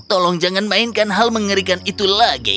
tolong jangan mainkan hal mengerikan itu lagi